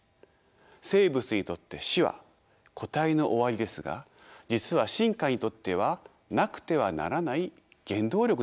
生物にとって死は個体の終わりですが実は進化にとってはなくてはならない原動力だったのです。